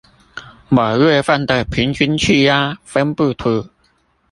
某月份的平均氣壓分佈圖